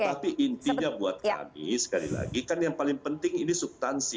tetapi intinya buat kami sekali lagi kan yang paling penting ini subtansi